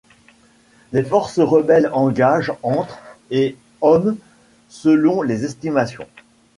Les forces rebelles engagent entre et hommes selon les estimations.